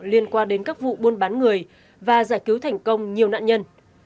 liên quan đến các vụ buôn bán người và giải cứu thành công nhiều nạn nhân